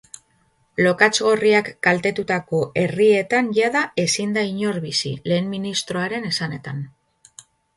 Lokatz gorriak kaltetutako herrietan jada ezin da inor bizi, lehen ministroaren esanetan.